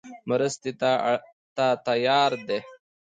مرستې ته تیار دی.